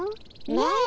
ねえ！